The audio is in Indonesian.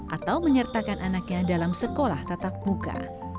atau menyertakan anaknya dalam sekolah tatap muka